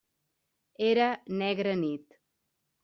Era negra nit.